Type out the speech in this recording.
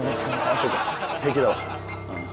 そうか平気だわ。